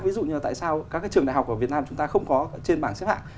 ví dụ như tại sao các trường đại học ở việt nam chúng ta không có trên bảng xếp hạng